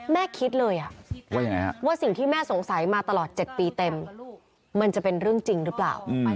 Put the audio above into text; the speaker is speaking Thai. แม่คิดเลยว่าสิ่งที่แม่สงสัยมาตลอด๗ปีเต็มมันจะเป็นเรื่องจริงหรือเปล่า